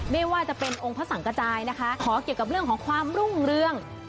ไม่ว่าจะเป็นองค์พระสังกระจายนะคะขอเกี่ยวกับเรื่องของความรุ่งเรือง